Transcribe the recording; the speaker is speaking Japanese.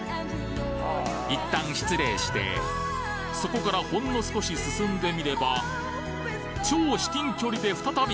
一旦失礼してそこからほんの少し進んでみれば超至近距離で再び！